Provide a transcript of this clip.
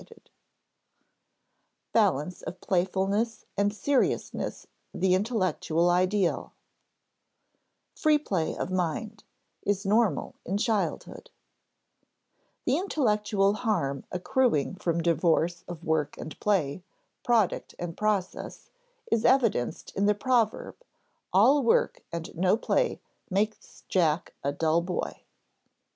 [Sidenote: Balance of playfulness and seriousness the intellectual ideal] [Sidenote: Free play of mind] [Sidenote: is normal in childhood] The intellectual harm accruing from divorce of work and play, product and process, is evidenced in the proverb, "All work and no play makes Jack a dull boy."